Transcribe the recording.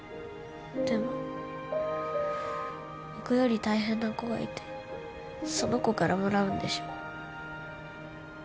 でも僕より大変な子がいてその子からもらうんでしょ？